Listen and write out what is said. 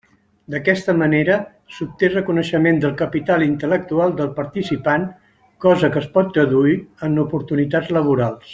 D'aquesta manera s'obté reconeixement del capital intel·lectual del participant, cosa que es pot traduir en oportunitats laborals.